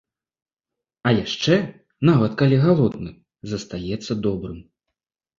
А яшчэ, нават калі галодны, застаецца добрым.